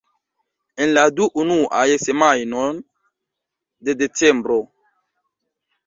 En la du unuaj semajnoj de Decembro.